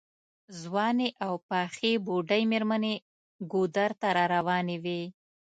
ځوانې او پخې بوډۍ مېرمنې ګودر ته راروانې وې.